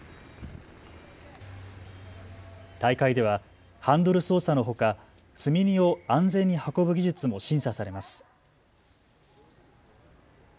大会ではハンドル操作のほか積み荷を安全に運ぶ技術も審査されます。